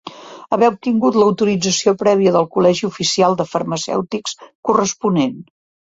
Haver obtingut l'autorització prèvia del Col·legi Oficial de Farmacèutics corresponent.